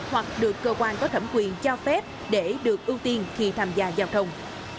hoặc được cơ quan có thẩm quyền cho phép để được ưu tiên khi tham gia giao thông